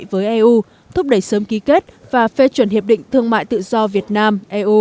với eu thúc đẩy sớm ký kết và phê chuẩn hiệp định thương mại tự do việt nam eu